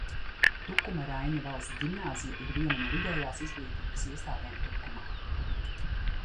Tukuma Raiņa Valsts ģimnāzija ir viena no vidējās izglītības iestādēm Tukumā.